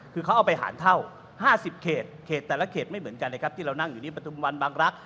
คือเขาเอาไปหารเท่า๕๐เขตเขตแต่ละเขตไม่เหมือนกันเลยครับที่เรานั่งอยู่ที่ประทุมวันบางรักษ